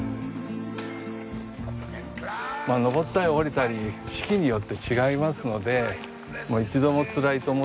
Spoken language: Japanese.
登ったり下りたり四季によって違いますので一度もつらいと思ったこともないですね。